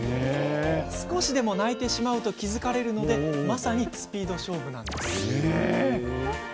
少しでも鳴いてしまうと気付かれるのでまさにスピード勝負。